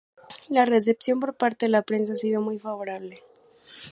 La recepción por parte de la prensa ha sido muy favorable.